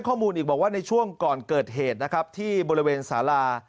ข้อมูลอีกบอกว่าในช่วงก่อนเกิดเหตุนะครับที่บริเวณสารา